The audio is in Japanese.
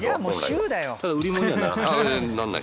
ただ売り物にはならない？